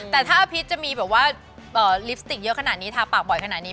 แต่ถ้าอภิษจะมีแบบว่าลิปสติกเยอะขนาดนี้ทาปากบ่อยขนาดนี้